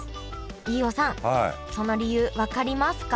飯尾さんその理由分かりますか？